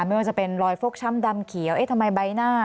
ไม่ว่าจะเป็นรอยฟกช้ำดำเขียวเอ๊ะทำไมใบหน้า